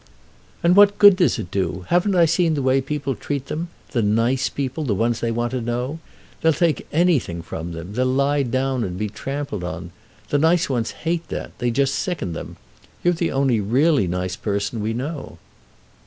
"And what good does it do? Haven't I seen the way people treat them—the 'nice' people, the ones they want to know? They'll take anything from them—they'll lie down and be trampled on. The nice ones hate that—they just sicken them. You're the only really nice person we know."